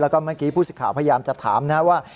แล้วก็เมื่อกี้พูดสิข่าวพยายามจะถามว่า